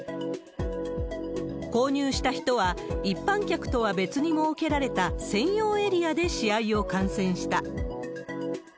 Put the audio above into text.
購入した人は、一般客とは別に設けられた専用エリアで試合を観戦した。